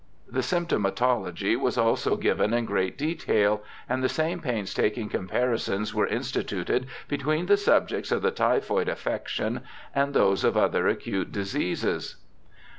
The symptomatology was also given in great detail, and the same painstaking comparisons were instituted between the subjects of the typhoid affection and those of other acute diseases.